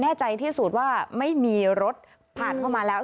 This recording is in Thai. แน่ใจที่สุดว่าไม่มีรถผ่านเข้ามาแล้ว